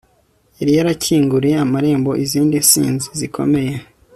yari yarakinguriye amarembo izindi ntsinzi zikomeye